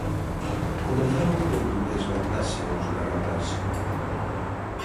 Comezaron en desvantaxe os granotas.